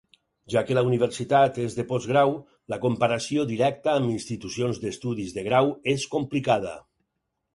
Ja que la universitat és de postgrau, la comparació directa amb institucions d'estudis de grau és complicada.